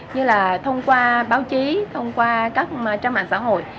như là thông qua báo chí thông qua các trang mạng xã hội